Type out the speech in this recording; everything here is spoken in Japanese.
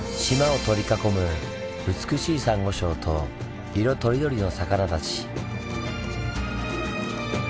島を取り囲む美しいサンゴ礁と色とりどりの魚たち。